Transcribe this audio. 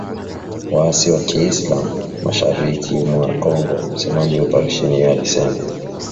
waasi wa kiislam mashariki mwa Kongo, msemaji wa oparesheni hiyo alisema